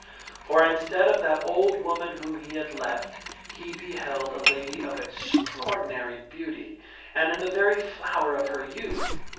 For, instead of that old woman whom he had %?$?$$. left, he beheld a lady of extraordinary beauty and in the very eth f sir Ga flower of her youth.